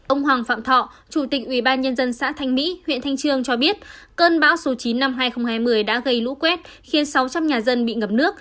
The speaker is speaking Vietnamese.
ông hoàng phạm thọ chủ tịch ubnd xã thanh mỹ huyện thanh trương cho biết cơn bão số chín năm hai nghìn hai mươi đã gây lũ quét khiến sáu trăm linh nhà dân bị ngập nước